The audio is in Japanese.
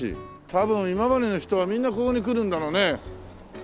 多分今治の人はみんなここに来るんだろうね。